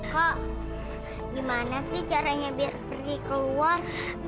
kak gimana sih caranya biar pri keluar